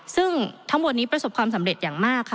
ซึ่งทั้งหมดนี้ประสบความสำเร็จอย่างมากค่ะ